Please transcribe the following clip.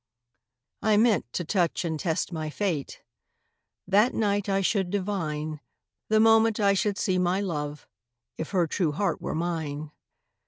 I meant to touch and test my fate; That night I should divine, The moment I should see my love, If her true heart were mine.